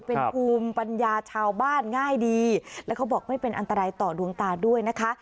เป็นภูมิปัญญาชาวบ้านง่ายดีแล้วเขาบอกไม่เป็นอันตรายต่อดวงตาด้วยนะคะ